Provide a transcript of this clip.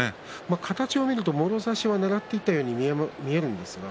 形を見るともろ差しをねらっていったように見えるんですが。